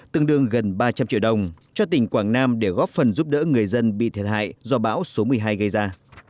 tương đương gần ba trăm linh triệu đồng cho tỉnh quảng nam để góp phần giúp đỡ người dân bị thiệt hại do bão số một mươi hai gây ra